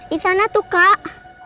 di sana tuh kak